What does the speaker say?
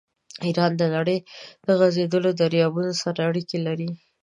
ایران د نړۍ د غځېدلو دریابونو سره اړیکې لري.